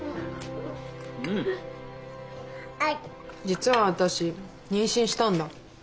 実は私妊娠したんだ。